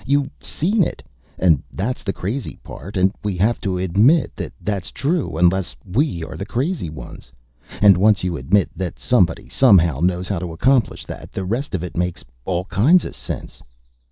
You've seen it! And that's the crazy part and we have to admit that that's true unless we are the crazy ones. And once you admit that somebody, somehow, knows how to accomplish that, the rest of it makes all kinds of sense.